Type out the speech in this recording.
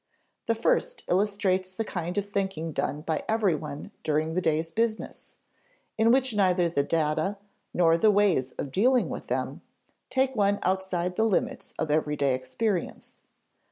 The first illustrates the kind of thinking done by every one during the day's business, in which neither the data, nor the ways of dealing with them, take one outside the limits of everyday experience.